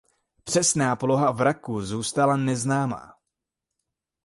Přesná poloha vraku zůstala neznámá.